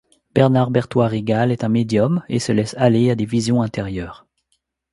Bernard Berthois Rigal est un médium et se laisse aller à des visions intérieures.